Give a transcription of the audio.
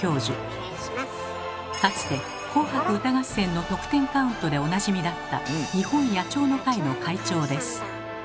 かつて「紅白歌合戦」の得点カウントでおなじみだった「日本野鳥の会」の会長です。